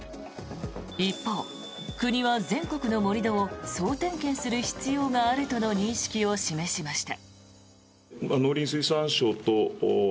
一方、国は全国の盛り土を総点検する必要があるとの認識を示しました。